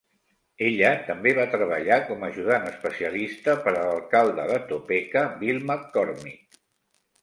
Ella també va treballar com ajudant especialista per a l'alcalde de Topeka Bill McCormick.